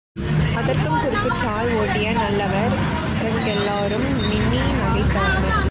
அதற்கும் குறுக்குச்சால் ஓட்டிய நல்லவர்களெல்லாரும் மின்னி நகைத்தனர்.